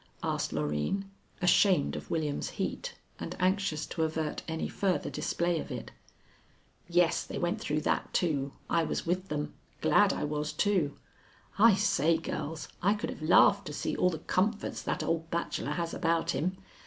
asked Loreen, ashamed of William's heat and anxious to avert any further display of it. "Yes, they went through that too. I was with them. Glad I was too. I say, girls, I could have laughed to see all the comforts that old bachelor has about him.